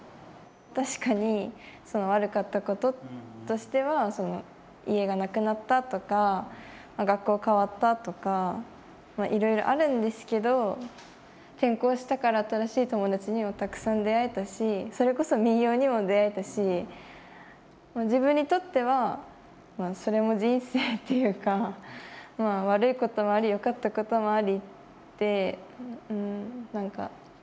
確かに悪かったこととしては家がなくなったとか学校変わったとかいろいろあるんですけど転校したから新しい友達にもたくさん出会えたしそれこそ民謡にも出会えたし自分にとってはそれも人生っていうか悪いこともありよかったこともありって何か。